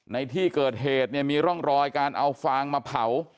ในที่เกิดเหตุเนี่ยมีร่องรอยการเอาฟางมาเผา